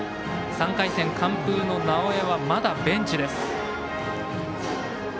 ３回戦、完封の直江はまだベンチです。